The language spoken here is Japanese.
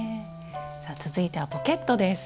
さあ続いてはポケットです。